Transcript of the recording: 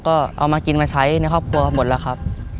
ก็เอามากินมาใช้ในครอบครัวหมดแล้วครับ